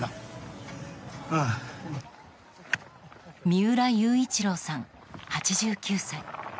三浦雄一郎さん、８９歳。